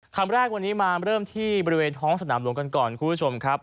คำแรกวันนี้มาเริ่มที่บริเวณท้องสนามหลวงกันก่อนคุณผู้ชมครับ